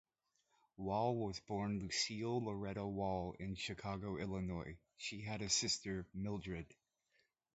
Wall was born Lucille Loretta Wall in Chicago, Illinois; she had a sister, Mildred.